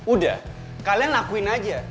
udah kalian lakuin aja